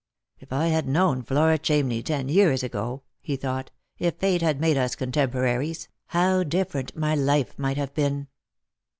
" If I had known Flora Chamney ten years ago," he thought, "if Fate had made us contemporaries, how different my life might have been